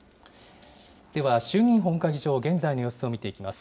では衆議院本会議場、現在の様子を見ていきます。